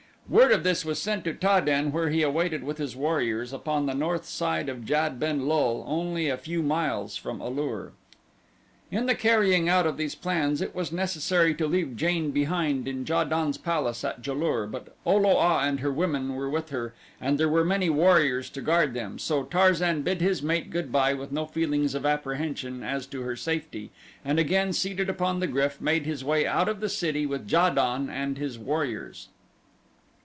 Word of this was sent to Ta den where he awaited with his warriors upon the north side of Jad ben lul, only a few miles from A lur. In the carrying out of these plans it was necessary to leave Jane behind in Ja don's palace at Ja lur, but O lo a and her women were with her and there were many warriors to guard them, so Tarzan bid his mate good bye with no feelings of apprehension as to her safety, and again seated upon the GRYF made his way out of the city with Ja don and his warriors.